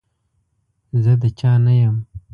زه د چا نه يم.